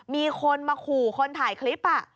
มีคนมาขู่คนถ่ายคลิป